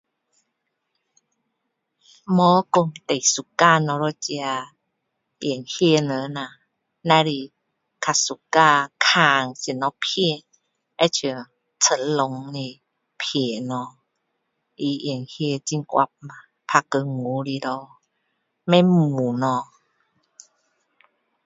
没说最喜欢哪一个演戏人啦只是比较喜欢看什么片很像成龙的片咯他演戏很活打功夫的咯不会闷咯